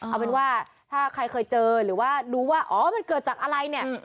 เอาเป็นว่าถ้าใครเคยเจอหรือว่าดูว่าอ๋อมันเกิดจากอะไรเนี่ย